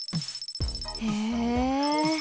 へえ。